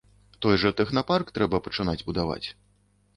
Той жа тэхнапарк трэба пачынаць будаваць.